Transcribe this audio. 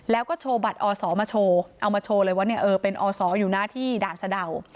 แล้วก็โชว์บัตรอศมาโชว์เอามาโชว์เลยว่าเนี่ยเออเป็นอศอยู่นะที่ด่านสะดาว